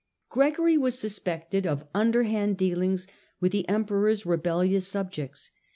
Gregory was suspected of underhand dealings with the Emperor's rebellious subjects.